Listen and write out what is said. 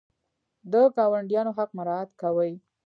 د ګاونډیانو حق مراعات کوئ؟